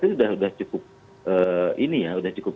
itu sudah cukup